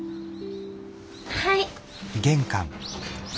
はい。